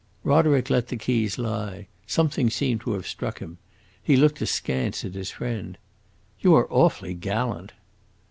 Roderick let the keys lie; something seemed to have struck him; he looked askance at his friend. "You are awfully gallant!"